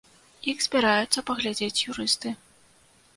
Іх збіраюцца паглядзець юрысты.